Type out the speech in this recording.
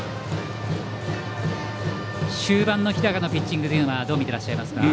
終盤の日高のピッチングはどう見ていらっしゃいますか？